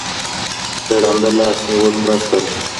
د ړانده لاس نیول مرسته ده.